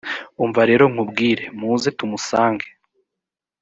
umva rero nkubwire muze tumusange